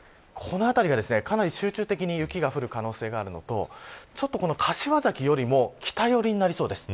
この辺りが、かなり集中的に雪が降る可能性があるのと柏崎よりも北寄りになりそうです。